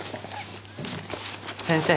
先生